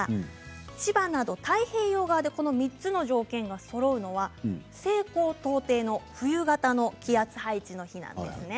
千葉などの太平洋側でこの３つの条件がそろうのは西高東低の冬型の気圧配置の日なんです。